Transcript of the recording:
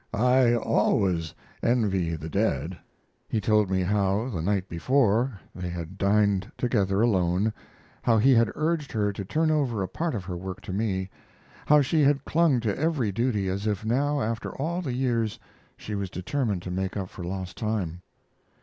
I always envy the dead." He told me how the night before they had dined together alone; how he had urged her to turn over a part of her work to me; how she had clung to every duty as if now, after all the years, she was determined to make up for lost time.